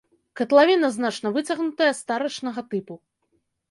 Катлавіна значна выцягнутая, старычнага тыпу.